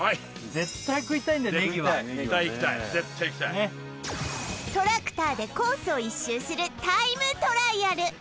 絶対いきたいトラクターでコースを１周するタイムトライアル